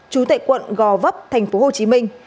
chú tệ quận gò vấp tp hồ chí minh